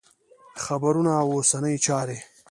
خبرونه او اوسنۍ چارې